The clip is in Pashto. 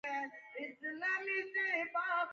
مغولانو هم پرافغانستان باندي يرغل کړی و.